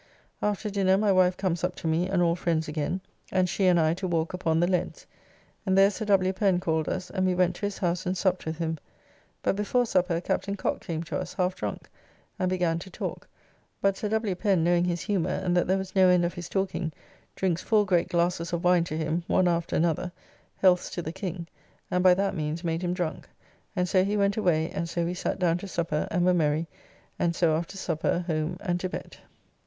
After dinner my wife comes up to me and all friends again, and she and I to walk upon the leads, and there Sir W. Pen called us, and we went to his house and supped with him, but before supper Captain Cock came to us half drunk, and began to talk, but Sir W. Pen knowing his humour and that there was no end of his talking, drinks four great glasses of wine to him, one after another, healths to the king, and by that means made him drunk, and so he went away, and so we sat down to supper, and were merry, and so after supper home and to bed.